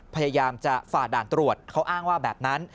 พยายามจะฝ่าด่านตรวจเขาอ้างว่าแบบนั้น